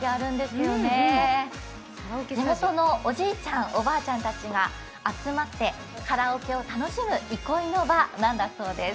地元のおじいちゃん、おばあちゃんたちが集まってカラオケを楽しむ憩いの場なんだそうです。